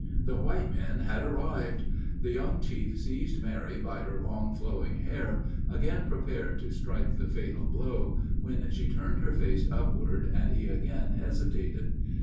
The white men had arrived! The young chief seized Mary by her long, flowing hair again prepared to strike the fatal blow when she turned her face upward, and he again hesitated.